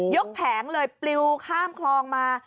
แผงเลยปลิวข้ามคลองมา